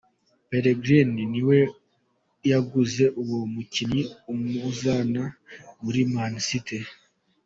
Pellegrini ni we yaguze uwo mukinyi, amuzana muri Man City.